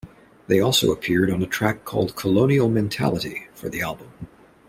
They also appeared on a track called "Colonial Mentality" for the album.